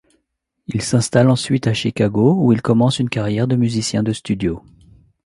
Il s'installe ensuite à Chicago, où il commence une carrière de musicien de studio.